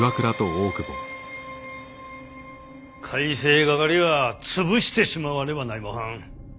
改正掛は潰してしまわねばないもはん。